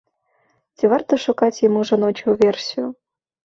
Ці варта шукаць яму жаночую версію?